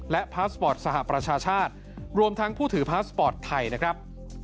และพาสปอร์ตสหประชาชาติรวมทั้งผู้ถือพาสปอร์ตไทยนะครับ